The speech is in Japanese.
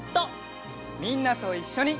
みんなといっしょに。